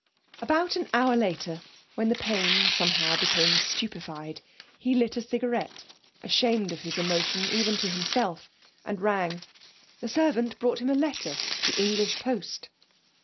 About an hour later, when the pain had somehow become stupefied, he lit a cigarette, ashamed of his emotion even to himself, and rang. The servant brought him a letter the English post.